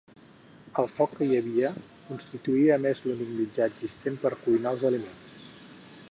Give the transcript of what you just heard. El foc que hi havia constituïa a més l'únic mitjà existent per cuinar els aliments.